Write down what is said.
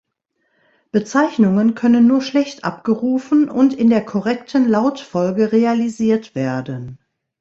Bezeichnungen können nur schlecht abgerufen und in der korrekten Lautfolge realisiert werden.